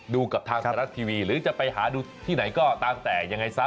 กับทางไทยรัฐทีวีหรือจะไปหาดูที่ไหนก็ตามแต่ยังไงซะ